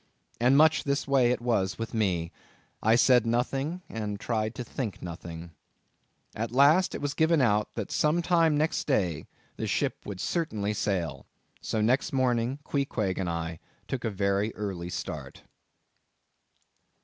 And much this way it was with me. I said nothing, and tried to think nothing. At last it was given out that some time next day the ship would certainly sail. So next morning, Queequeg and I took a very early start.